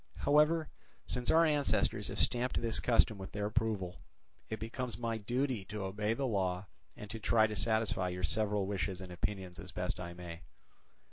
However, since our ancestors have stamped this custom with their approval, it becomes my duty to obey the law and to try to satisfy your several wishes and opinions as best I may.